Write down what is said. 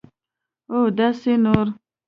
اوداسي نور